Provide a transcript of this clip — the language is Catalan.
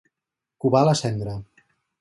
Covar la cendra.